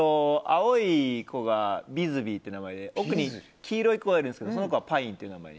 青い子がビズビーという名前で奥に黄色い子がいるんですけどその子はパイン。